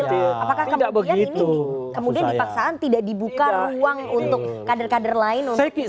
apakah kemudian ini kemudian dipaksaan tidak dibuka ruang untuk kader kader lain untuk